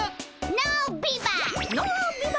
ノービバ。